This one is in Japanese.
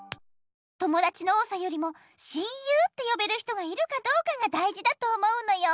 ともだちの多さよりも親友ってよべる人がいるかどうかがだいじだと思うのよ。